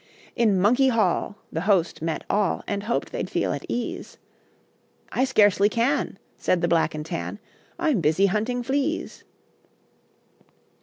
In Monkey Hall, The host met all, And hoped they'd feel at ease, "I scarcely can," Said the Black and Tan, "I'm busy hunting fleas."